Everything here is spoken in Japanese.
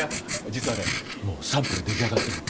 実はねもうサンプル出来上がってるの。